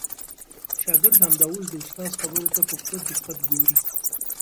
شاګرد همدا اوس د استاد خبرو ته په پوره دقت ګوري.